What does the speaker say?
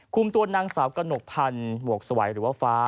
ตัวนางสาวกระหนกพันธ์หมวกสวัยหรือว่าฟ้า